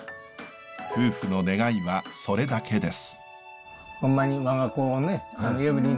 夫婦の願いはそれだけです。